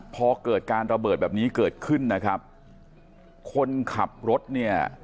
พอเกิดการระเบิดแบบนี้เกิดขึ้นนะครับคนขับรถเนี่ย